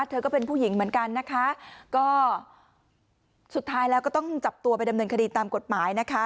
เธอก็เป็นผู้หญิงเหมือนกันนะคะก็สุดท้ายแล้วก็ต้องจับตัวไปดำเนินคดีตามกฎหมายนะคะ